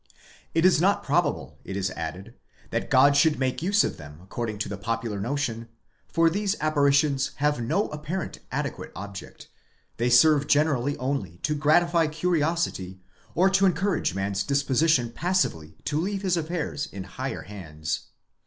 * It is not probable, it is added, that God should make use of them according to the popular notion, for these apparitions have no apparent adequate object, they serve generally only to gratify curiosity, or to encourage man's disposition passively to leave his affairs in higher hands.!